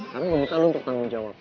karena gue minta lo untuk tanggung jawab